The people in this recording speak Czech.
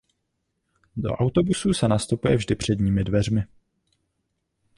Do autobusů se nastupuje vždy předními dveřmi.